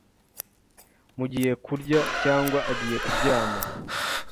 mugiye kurya cyangwa agiye kuryama